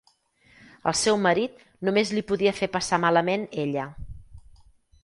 Al seu marit només li podia fer passar malament ella.